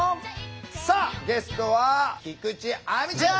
さあゲストは菊地亜美ちゃん！